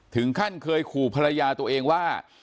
ถึงขั้นเคยขู่ภรรยาตัวเองว่า